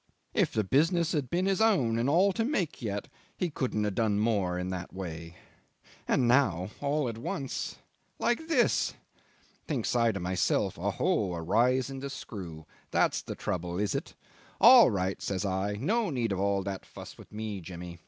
If the business had been his own and all to make yet, he couldn't have done more in that way. And now ... all at once ... like this! Thinks I to myself: 'Oho! a rise in the screw that's the trouble is it?' 'All right,' says I, 'no need of all that fuss with me, Jimmy.